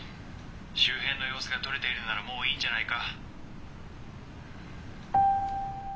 周辺の様子が撮れているならもういいんじゃないか？